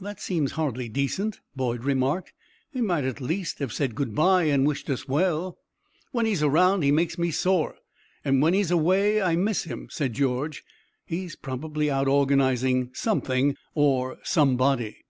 "That seems hardly decent," Boyd remarked. "He might at least have said good bye and wished us well." "When he's around he makes me sore, and when he's away I miss him," said George. "He's probably out organizing something or somebody."